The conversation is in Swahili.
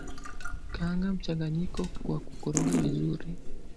Kaanga mchanganyiko kwa kukoroga vizuri